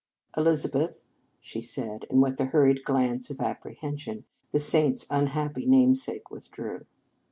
"Elizabeth," she said, and, with a hurried glance of apprehension, the saint s unhappy namesake with drew.